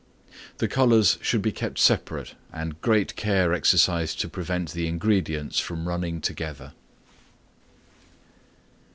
The colors should be kept separate and great care exercised to prevent the ingredients from running together.